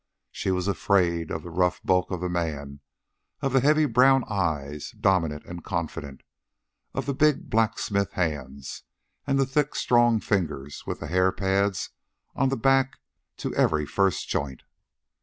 She was afraid of the rough bulk of the man; of the heavy brown eyes, dominant and confident; of the big blacksmith hands and the thick strong fingers with the hair pads on the back to every first joint.